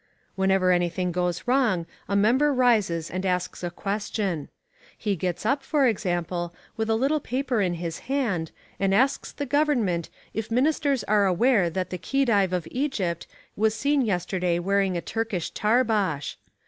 Whenever anything goes wrong a member rises and asks a question. He gets up, for example, with a little paper in his hand, and asks the government if ministers are aware that the Khedive of Egypt was seen yesterday wearing a Turkish Tarbosh.